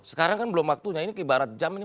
sekarang kan belum waktunya ini ibarat jam ini